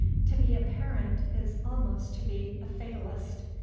To be a parent is almost to be a fatalist.